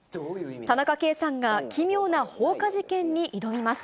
田中圭さんが奇妙な放火事件に挑みます。